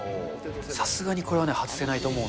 さすがにこれは外せないと思う。